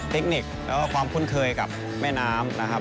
เทคนิคแล้วก็ความคุ้นเคยกับแม่น้ำนะครับ